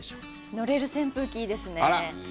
のれる扇風機、いいですね。